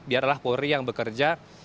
biarlah polri yang bekerja